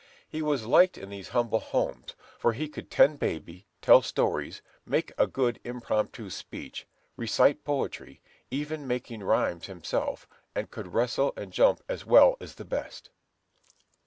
He was liked in these humble homes, for he could tend baby, tell stories, make a good impromptu speech, recite poetry, even making rhymes himself, and could wrestle and jump as well as the best.